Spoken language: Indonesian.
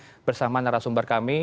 kami sudah bersama nara sumber kami